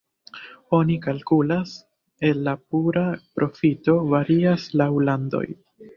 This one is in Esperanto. Oni kalkulas el la pura profito, varias laŭ landoj.